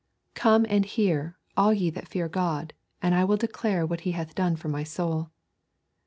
'Come and hear, all ye that fear God, and I will declare what He hath done for my soul.'